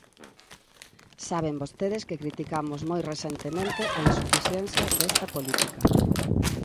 Saben vostedes que criticamos moi recentemente a insuficiencia desta política.